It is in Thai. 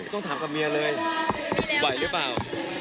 ต้องถามกับเมียเลยไหวหรือเปล่า